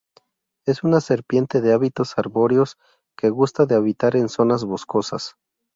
Es una serpiente de hábitos arbóreos que gusta de habitar en zonas boscosas.